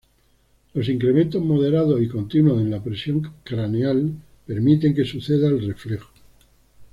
Los incrementos moderados y continuos en la presión craneal permiten que suceda el reflejo.